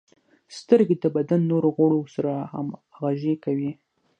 • سترګې د بدن نورو غړو سره همغږي کوي.